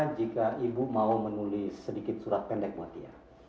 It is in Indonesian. jika ibu mau menulis sedikit surat pendek buat dia